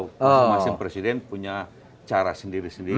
masih presiden punya cara sendiri sendiri